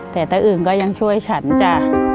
แต่ตะอื่นก็ยังช่วยฉันจ้ะ